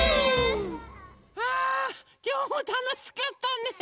あきょうもたのしかったね。